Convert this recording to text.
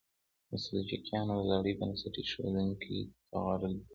د سلجوقیانو د لړۍ بنسټ ایښودونکی طغرل بیګ و.